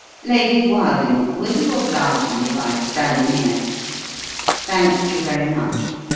"Lady Wilding, will you oblige me by standing here? Thank you very much.